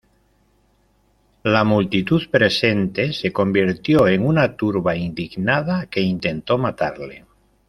La multitud presente se convirtió en una turba indignada que intentó matarle.